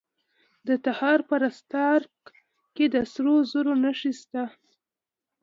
د تخار په رستاق کې د سرو زرو نښې شته.